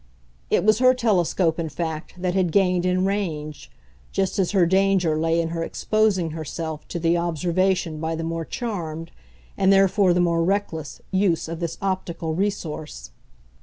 It was her telescope in fact that had gained in range just as her danger lay in her exposing herself to the observation by the more charmed, and therefore the more reckless, use of this optical resource.